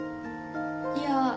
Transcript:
いや。